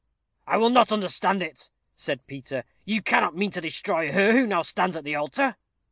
"I will not understand it," said Peter. "You cannot mean to destroy her who now stands at the altar?"